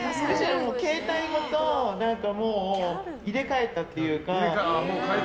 携帯ごと入れ替えたというか。